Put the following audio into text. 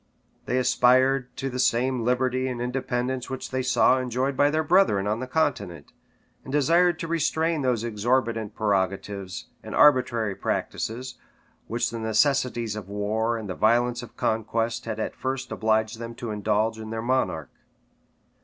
They aspired to the same liberty and independence which they saw enjoyed by their brethren on the continent, and desired to restrain those exorbitant prerogatives and arbitrary practices, which the necessities of war and the violence of conquest had at first obliged them to indulge in their monarch.